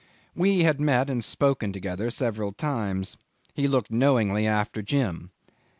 We had met and spoken together several times. He looked knowingly after Jim.